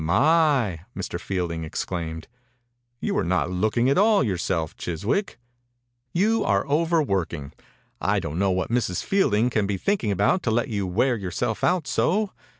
"Myl" Mr. Fielding ex claimed. "You are not look ing at all yourself, Chiswick. 80 THE INCUBATOR BABY You are overworking. I don't know what Mrs. Fielding can be thinking about to let you wear yourself out so.